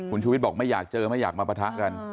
คุณชูวิทย์บอกไม่อยากเจอไม่อยากมาปะทะกัน